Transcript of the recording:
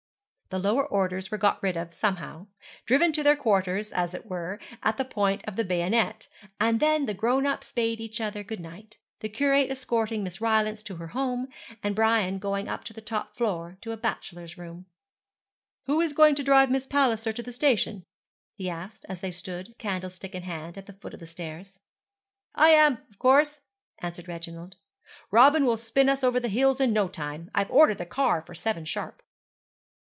The lower orders were got rid of somehow driven to their quarters, as it were, at the point of the bayonet; and then the grown ups bade each other good night; the curate escorting Miss Rylance to her home, and Brian going up to the top floor to a bachelor's room. 'Who is going to drive Miss Palliser to the station?' he asked, as they stood, candlestick in hand, at the foot of the stairs. 'I am, of course,' answered Reginald. 'Robin will spin us over the hills in no time. I've ordered the car for seven sharp.'